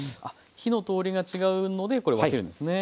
火の通りが違うのでこれを分けるんですね。